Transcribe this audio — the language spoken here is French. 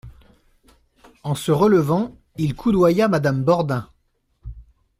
En se relevant, il coudoya Madame Bordin.